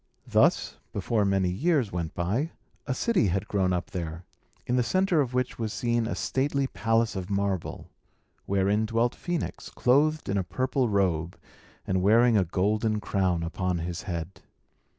Thus, before many years went by, a city had grown up there, in the centre of which was seen a stately palace of marble, wherein dwelt Phœnix, clothed in a purple robe, and wearing a golden crown upon his head.